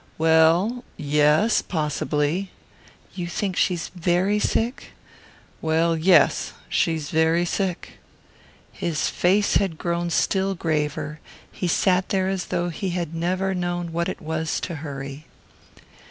"Well, yes possibly." "You think she's very sick?" "Well, yes. She's very sick." His face had grown still graver; he sat there as though he had never known what it was to hurry.